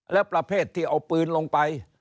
และประเภทที่เอาปืนลงไป